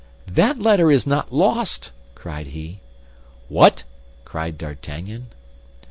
"That letter is not lost!" cried he. "What!" cried D'Artagnan.